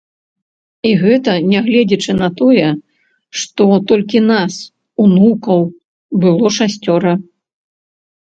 І гэта нягледзячы на тое, што толькі нас, унукаў, было шасцёра.